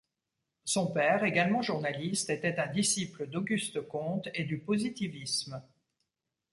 Son père, également journaliste, était un disciple d'Auguste Comte et du positivisme.